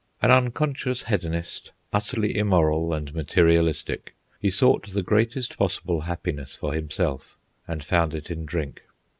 An unconscious hedonist, utterly unmoral and materialistic, he sought the greatest possible happiness for himself, and found it in drink.